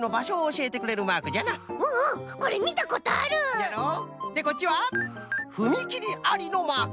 そうじゃろう？でこっちはふみきりありのマーク！